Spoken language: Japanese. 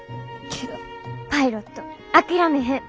けどパイロット諦めへん。